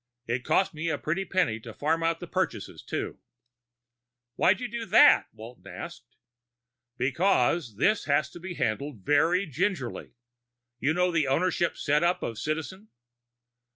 It cost me a pretty penny to farm out the purchases, too." "Why'd you do that?" Walton asked. "Because this has to be handled very gingerly. You know the ownership setup of Citizen?"